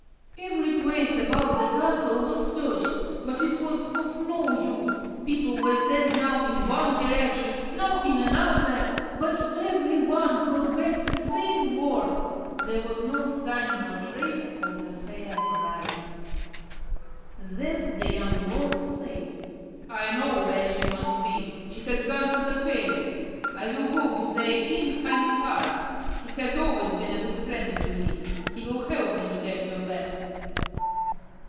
Every place about the castle was searched, but it was of no use. People were sent now in one direction, now in another, but every one brought back the same word, there was no sign nor trace of the fair bride. Then the young lord said: "I know where she must be. She has gone to the fairies. I will go to their king, Finvarra. He has always been a good friend to me. He will help me to get her back."